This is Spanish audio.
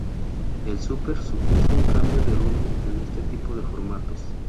El Súper supuso un cambio de rumbo en este tipo de formatos.